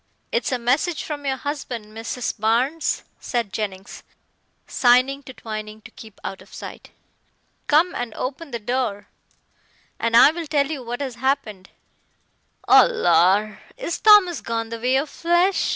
"It's a message from your husband, Mrs. Barnes," said Jennings, signing to Twining to keep out of sight. "Come and open the door, and I'll tell you what has happened." "Oh, lor! is Thomas gone the way of flesh?"